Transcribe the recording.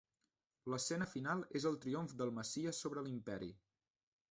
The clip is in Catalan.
L'escena final és el triomf del messies sobre l'imperi.